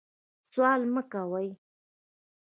سوال مه کوئ